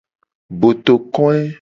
Botokoe.